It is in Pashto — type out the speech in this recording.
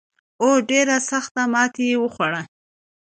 او ډېره سخته ماته یې وخوړه.